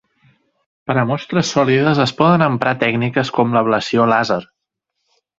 Per a mostres sòlides es poden emprar tècniques com l'ablació làser.